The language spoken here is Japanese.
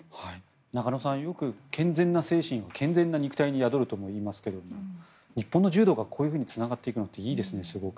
中野さん、よく健全な精神は健全な肉体に宿るといいますが日本の柔道がこういうふうにつながっていくのはいいですね。